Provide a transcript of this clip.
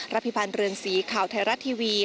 พิพันธ์เรือนสีข่าวไทยรัฐทีวี